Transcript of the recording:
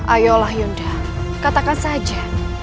ayolah yunda katakan saja